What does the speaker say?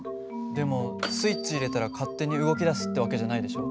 でもスイッチ入れたら勝手に動き出すって訳じゃないでしょ。